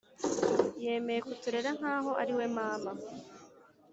Yemeye kuturera nkaho ariwe mama